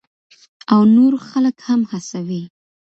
او نور خلک هم هڅوي.